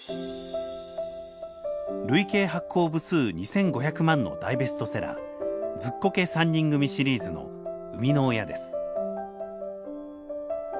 累計発行部数２，５００万の大ベストセラー「ズッコケ三人組」シリーズの生みの親です。